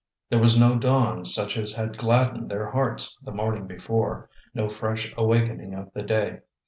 There was no dawn such as had gladdened their hearts the morning before, no fresh awakening of the day.